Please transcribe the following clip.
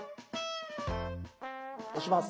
押します。